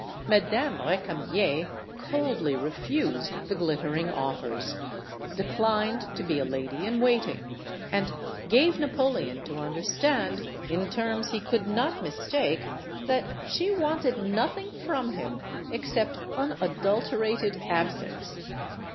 Madame Recamier coldly refused the glittering offers; declined to be a lady in waiting; and gave Napoleon to understand, in terms he could not mistake, that she wanted nothing from him except unadulterated absence.